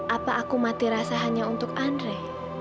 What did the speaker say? apa aku mati rasa hanya untuk andre